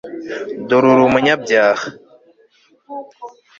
dore uri umunyabyaha